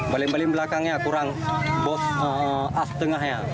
balik balik belakangnya kurang bos as tengahnya